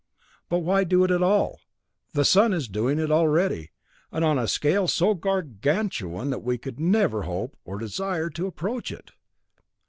"But why do it at all? The sun is doing it already, and on a scale so gargantuan that we could never hope nor desire to approach it.